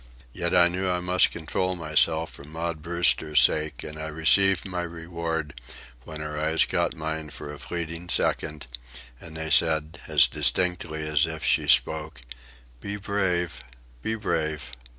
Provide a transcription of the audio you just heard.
Yet I knew I must control myself for Maud Brewster's sake, and I received my reward when her eyes caught mine for a fleeting second, and they said, as distinctly as if she spoke, "Be brave, be brave."